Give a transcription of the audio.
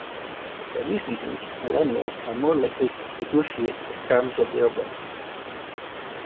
For these reasons, millennials are more likely to negotiate the terms of their work.